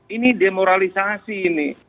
ini demoralisasi ini